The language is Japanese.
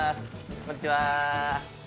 こんにちは。